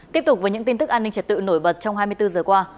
tiếp tục với những tin tức an ninh trật tự nổi bật trong hai mươi bốn giờ qua